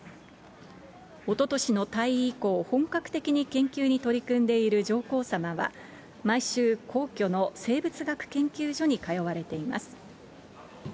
おととしの退位以降、本格的に研究に取り組んでいる上皇さまは、毎週、皇居の生物学研究所に通われています。